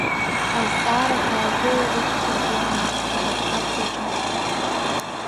Азҵаарақәа агәы рықәҿыӷьуамызт Акаԥкаԥ хәыҷы.